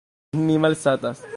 Mi malsatas.